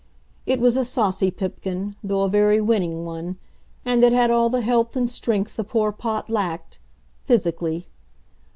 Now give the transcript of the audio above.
It was a saucy Pipkin, though a very winning one, and it had all the health and strength the poor Pot lacked physically.